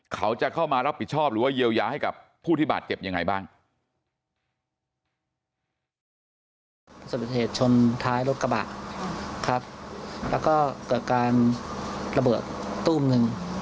เขาจะเข้ามารับผิดชอบหรือว่าเยียวยาให้กับผู้ที่บาดเจ็บยังไงบ้าง